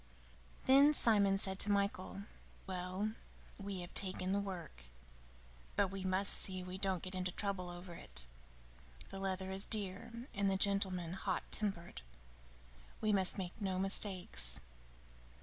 VII Then Simon said to Michael: "Well, we have taken the work, but we must see we don't get into trouble over it. The leather is dear, and the gentleman hot tempered. We must make no mistakes.